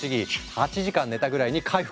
８時間寝たぐらいに回復。